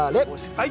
はい。